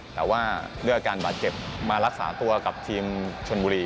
แต่ว่าด้วยอาการบาดเจ็บมารักษาตัวกับทีมชนบุรี